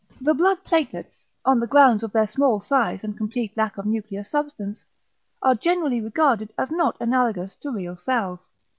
The blood platelets, on the grounds of their small size and complete lack of nuclear substance, are generally regarded as not analogous to real cells.